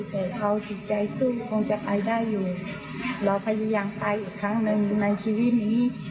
แต่เขาจิตใจสู้คงจะไปได้อยู่เราพยายามไปอีกครั้งหนึ่งในชีวิตนี้